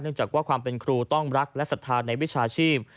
จากว่าความเป็นครูต้องรักและศรัทธาในวิชาชีพ